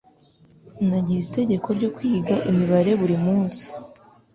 Nagize itegeko ryo kwiga imibare buri munsi.